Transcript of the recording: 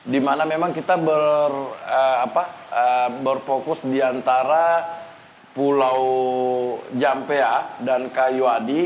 di mana memang kita berfokus di antara pulau jampea dan kayuadi